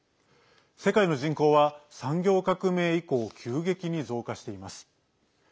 世界の人口は産業革命以降急激に増加しています。